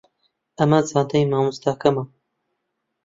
ئەمە جانتای مامۆستاکەمە.